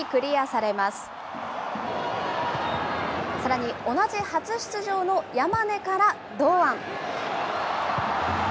さらに同じ初出場の山根から堂安。